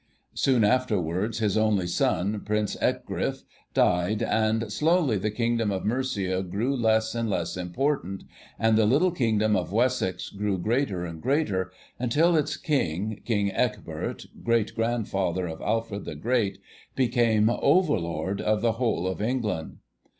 Soon afterwards his only son, Prince Ecgfrith, died, and slowly the Kingdom of Mercia grew less and less important, and the little Kingdom of Wessex grew greater and greater, until its King, King Ecgbert, great grandfather of Alfred the Great, became 'Overlord' of the whole of England.